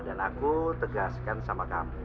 dan aku tegaskan sama kamu